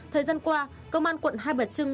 thời gian qua công an quận hai bà trưng